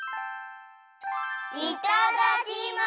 いただきます！